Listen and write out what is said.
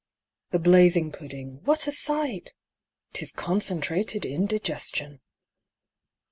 ) The blazing pudding what a sight! ('Tis concentrated indigestion!